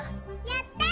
やった！